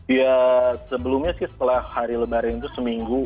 ya sebelumnya sih setelah hari lebaran itu seminggu